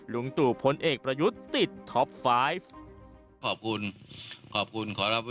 ลุงตุพลเอกประยุทธติดท็อปฟาย่ขอบครูนข่าวขอบครูขอรับตัว